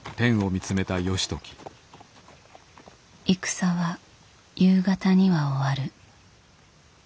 戦は夕方には終わる。